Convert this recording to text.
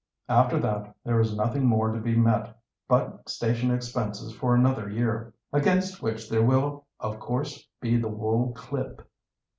"After that, there is nothing more to be met but station expenses for another year, against which there will, of course, be the wool clip.